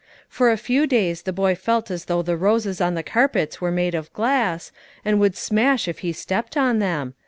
For a few days the boy felt as though the roses on the carpets were made of glass, and would smash if he stepped on them.